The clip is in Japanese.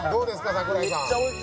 櫻井さん